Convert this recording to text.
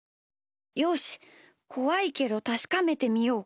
よしこわいけどたしかめてみよう。